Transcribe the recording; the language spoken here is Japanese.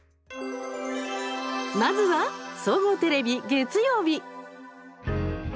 まずは総合テレビ、月曜日。